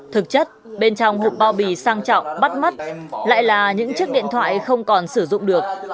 thực chất bên trong hộp bao bì sang trọng bắt mắt lại là những chiếc điện thoại không còn sử dụng được